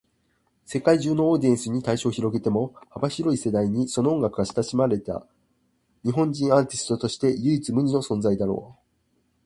世界中のオーディエンスに対象を広げても、幅広い世代にその音楽が親しまれた日本人アーティストとして唯一無二の存在だろう。